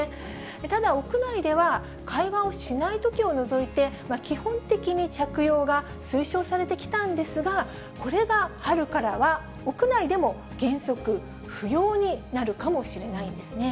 ただ、屋内では会話をしないときを除いて、基本的に着用が推奨されてきたんですが、これが、春からは屋内でも原則不要になるかもしれないんですね。